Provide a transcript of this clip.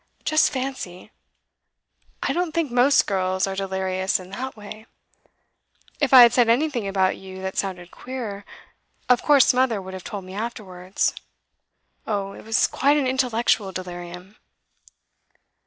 Just fancy! I don't think most girls are delirious in that way. If I had said anything about you that sounded queer, of course mother would have told me afterwards. Oh, it was quite an intellectual delirium.